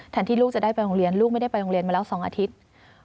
ที่ลูกจะได้ไปโรงเรียนลูกไม่ได้ไปโรงเรียนมาแล้ว๒อาทิตย์